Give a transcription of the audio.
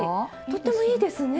とってもいいですね。